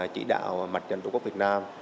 chỉ đạo mặt trận tổ quốc việt nam